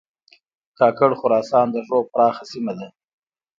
کاکړ خراسان د ږوب پراخه سیمه ده